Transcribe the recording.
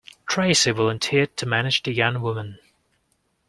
Tracey volunteered to manage the young woman.